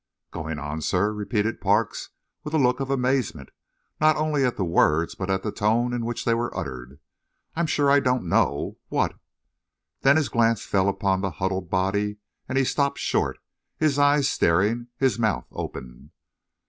"Going on, sir?" repeated Parks, with a look of amazement, not only at the words, but at the tone in which they were uttered. "I'm sure I don't know what " Then his glance fell upon the huddled body, and he stopped short, his eyes staring, his mouth open.